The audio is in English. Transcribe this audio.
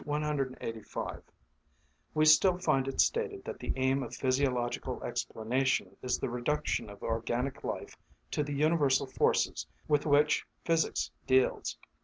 185) we still find it stated that the aim of physiological explanation is the reduction of organic life to the universal forces with which physics deals.